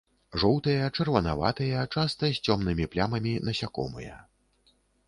Жоўтыя, чырванаватыя, часта з цёмнымі плямамі насякомыя.